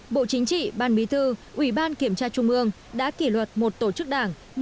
bộ chính trị ban bí thư ủy ban kiểm tra trung ương đã kỷ luật một tổ chức đảng